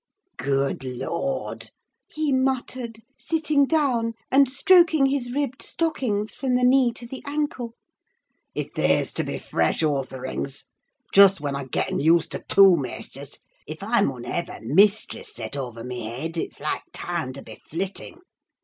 "Gooid Lord!" he muttered, sitting down, and stroking his ribbed stockings from the knee to the ankle. "If there's to be fresh ortherings—just when I getten used to two maisters, if I mun hev' a mistress set o'er my heead, it's like time to be flitting.